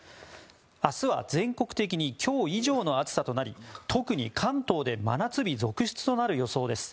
明日は全国的に今日以上の暑さとなり特に関東で真夏日続出となる予想です。